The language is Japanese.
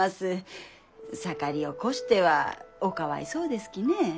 盛りを越してはおかわいそうですきね。